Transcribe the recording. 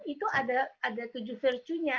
itu ada tujuh virtue nya